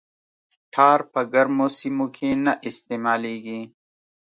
ټار په ګرمو سیمو کې نه استعمالیږي